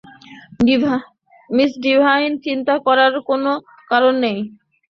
Miss Divine, চিন্তা করার কোনো কারণ নেই।